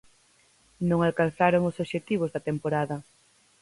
Non alcanzaron os obxectivos da temporada.